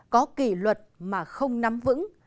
có kỷ luật mà không nắm vững